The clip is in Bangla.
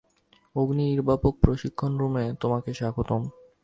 অগ্নি নির্বাপক প্রশিক্ষণ রুমে তোমাকে স্বাগতম।